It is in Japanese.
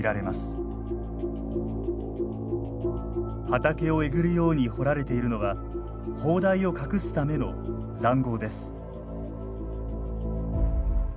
畑をえぐるように掘られているのは砲台を隠すための塹壕です。